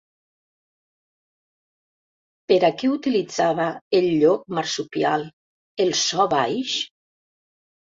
Per a què utilitzava el llop marsupial el so baix?